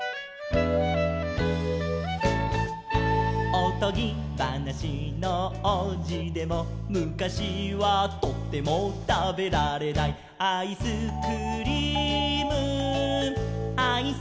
「おとぎばなしのおうじでもむかしはとてもたべられない」「アイスクリームアイスクリーム」